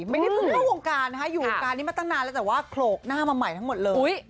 ไม่ได้เพิ่งเข้าวงการนะคะอยู่วงการนี้มาตั้งนานแล้วแต่ว่าโขลกหน้ามาใหม่ทั้งหมดเลย